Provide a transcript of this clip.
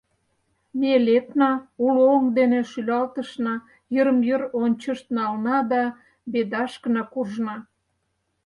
Ме лекна, уло оҥ дене шӱлалтышна, йырым-йыр ончышт нална да «Бедашкына» куржна.